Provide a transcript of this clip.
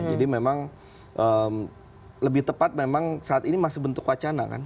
jadi memang lebih tepat memang saat ini masih bentuk wacana kan